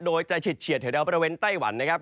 โดยจะเฉียดแถวบริเวณไต้หวันนะครับ